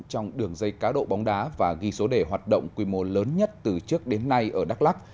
trong đường dây cá độ bóng đá và ghi số đề hoạt động quy mô lớn nhất từ trước đến nay ở đắk lắc